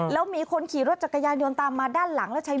แล้วมีคนขี่รถจักรยานยนต์ตามมาด้านหลังแล้วใช้